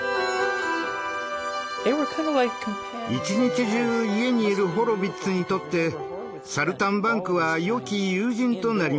一日中家にいるホロヴィッツにとって「サルタンバンク」はよき友人となりました。